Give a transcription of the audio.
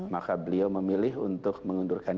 maka beliau memilih untuk mengundurkan diri